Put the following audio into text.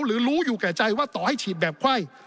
หรือรู้อยู่แก่ใจว่าต่อให้ฉีดแบบไข้